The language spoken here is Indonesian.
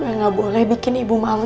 gue gak boleh bikin ibu malu